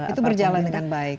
itu berjalan dengan baik